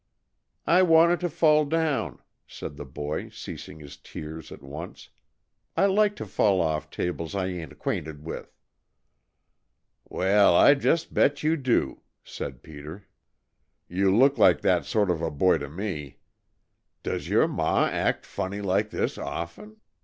"I wanted to fall down," said the boy, ceasing his tears at once. "I like to fall off tables I ain't 'quainted with." "Well, I just bet you do!" said Peter. "You look like that sort of a boy to me. Does your ma act funny like this often?